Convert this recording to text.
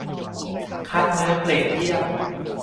คัดเนื้อเกรดเยี่ยม